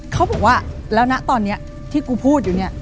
เขาบอกว่าแล้วนะตอนนี้ที่กูพูดอยู่เนี่ย